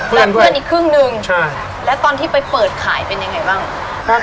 เพื่อนอีกครึ่งหนึ่งใช่แล้วตอนที่ไปเปิดขายเป็นยังไงบ้าง